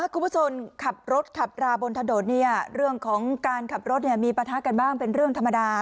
คุณผู้ชนขับรถขับราบนทะโดดเรื่องของการขับรถมีปัญหากันบ้างเป็นเรื่องธรรมดา